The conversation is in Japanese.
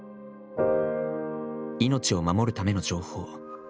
命を守るための情報。